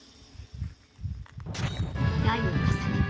代を重ね